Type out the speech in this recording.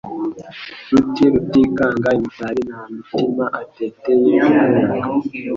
Ruti rutikanga imitari nta mitima atateye inkunga